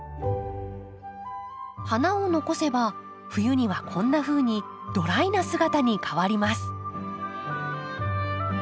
花を残せば冬にはこんなふうにドライな姿に変わります。